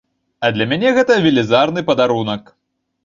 А для мяне гэта велізарны падарунак.